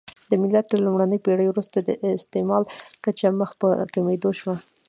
د میلاد تر لومړۍ پېړۍ وروسته د استعمل کچه مخ په کمېدو شوه